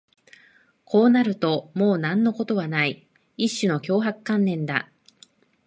こうなるともう何のことはない、一種の脅迫観念だ